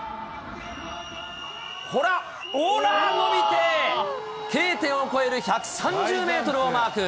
ほら、ほら伸びて、Ｋ点を超える１３０メートルをマーク。